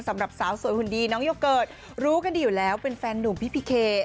สำหรับสาวสวยหุ่นดีน้องโยเกิร์ตรู้กันดีอยู่แล้วเป็นแฟนหนุ่มพี่พีเค